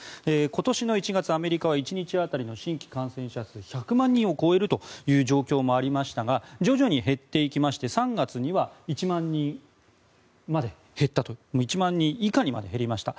今年の１月、アメリカは１日当たりの新規感染者数が１００万人を超えるという状況もありましたが徐々に減っていきまして３月には１万人以下にまで減りました。